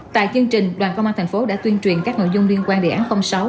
tại chương trình đoàn công an thành phố đã tuyên truyền các nội dung liên quan đề án sáu